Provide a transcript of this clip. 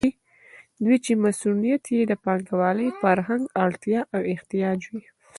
دوی چې مصونیت یې د پانګوال فرهنګ اړتیا او احتیاج وي.